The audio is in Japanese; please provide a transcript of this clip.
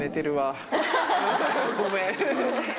ごめん。